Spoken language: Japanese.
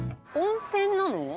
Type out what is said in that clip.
温泉なの？